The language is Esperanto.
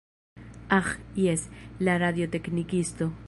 Aĥ, jes, la radioteknikisto.